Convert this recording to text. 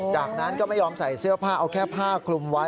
จากนั้นก็ไม่ยอมใส่เสื้อผ้าเอาแค่ผ้าคลุมไว้